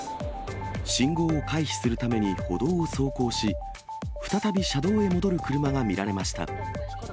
信号を回避するために歩道を走行し、再び車道へ戻る車が見られました。